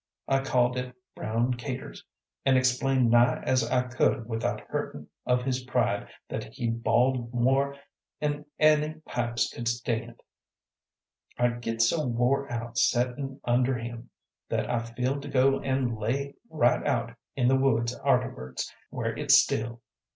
I called it brown caters, an' explained nigh as I could without hurtin' of his pride that he'd bawled more 'n any pipes could stand. I git so wore out settin' under him that I feel to go an' lay right out in the woods arterwards, where it's still.